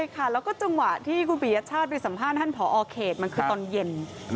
มันคือตอนเย็น